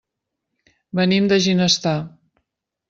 Venim de Ginestar.